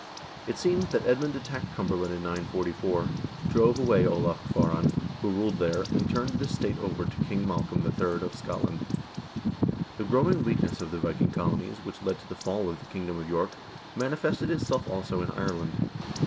It seems that Edmund attacked Cumberland in 944, drove away Olav Kvaaran, who ruled there, and turned this state over to King Mal colm III. of Scotland. The growing weakness of the Viking colonies, which led to the fall of the kingdom of York, manifested itself also in Ireland.